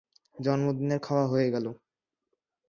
জন্মদিনের খাওয়া হয়ে গেল।